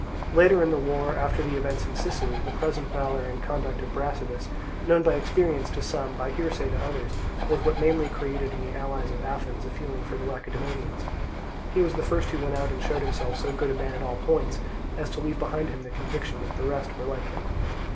Later on in the war, after the events in Sicily, the present valour and conduct of Brasidas, known by experience to some, by hearsay to others, was what mainly created in the allies of Athens a feeling for the Lacedaemonians. He was the first who went out and showed himself so good a man at all points as to leave behind him the conviction that the rest were like him.